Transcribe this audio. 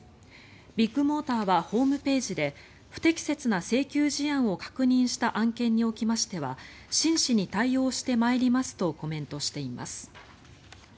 ビッグモーターはホームページで不適切な請求事案を確認した案件におきましては真摯に対応してまいりますとコメントしています。